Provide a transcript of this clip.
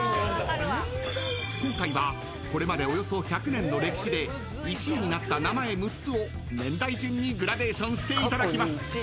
［今回はこれまでおよそ１００年の歴史で１位になった名前６つを年代順にグラデーションしていただきます］